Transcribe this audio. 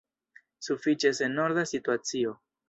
Sufiĉe senorda situacio.